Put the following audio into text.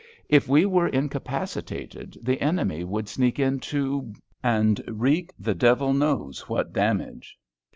If we were incapacitated, the enemy would sneak in to —— and wreak the devil knows what damage.